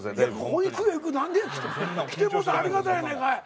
行くよ何でや来てもうたらありがたいやないかい。